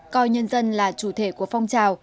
coi nhân dân là chủ thể của phong trào